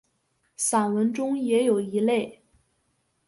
散文中也有一类。